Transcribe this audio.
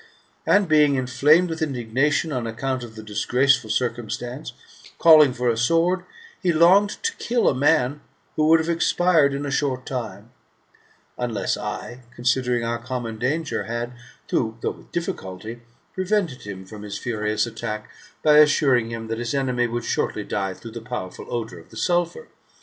And being inflamed with indignation on account of the disgraceful circumstance, calling for a sword, he longed to kill a man who would have expired in a short time ; unless I, considering our common danger, had, though with difficulty, prevented him from his furious attack, by assuring him that his enemy would shortly die through the powerful odour of the sulphur, without 5 ut.